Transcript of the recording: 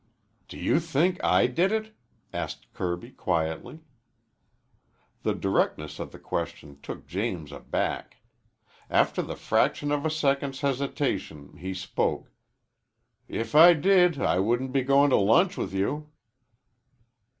"Do you think I did it?" asked Kirby quietly. The directness of the question took James aback. After the fraction of a second's hesitation he spoke. "If I did I wouldn't be going to lunch with you."